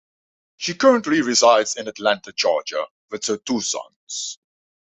She currently resides in Atlanta, Georgia with her two sons.